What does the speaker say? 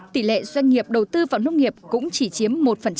tỷ lệ doanh nghiệp đầu tư vào nông nghiệp cũng chỉ chiếm một